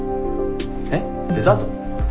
えっデザート？